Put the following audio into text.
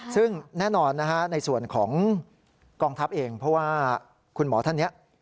ซึ่งแน่นอนนะฮะในส่วนของกองทัพเองเพราะว่าคุณหมอท่านนี้